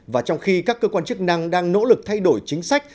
và trong khi các cơ quan chức năng đang nỗ lực thay đổi chính sách